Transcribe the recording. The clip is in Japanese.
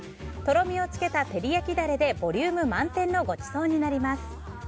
とろみをつけた照り焼きダレでボリューム満点のごちそうになります。